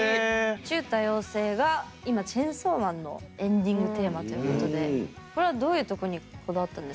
「ちゅ、多様性。」が今「チェンソーマン」のエンディングテーマということでこれはどういうところにこだわったんですか？